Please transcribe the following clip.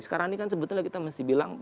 sekarang ini kan sebetulnya kita mesti bilang